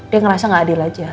dia ngerasa gak adil aja